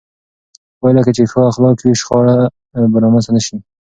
په پایله کې چې ښو اخلاق وي، شخړې به رامنځته نه شي.